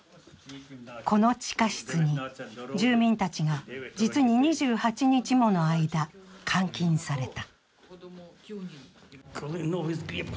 この地下室に住民たちが実に２８日もの間、監禁された。